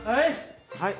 はい。